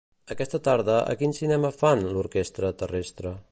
Aquesta tarda a quin cinema fan "L'orquestra terrestre"?